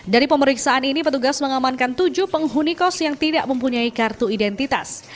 dari pemeriksaan ini petugas mengamankan tujuh penghuni kos yang tidak mempunyai kartu identitas